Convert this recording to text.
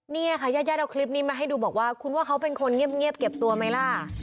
เนี่ยค่ะญาติญาติเอาคลิปนี้มาให้ดูบอกว่าคุณว่าเขาเป็นคนเงียบเก็บตัวไหมล่ะ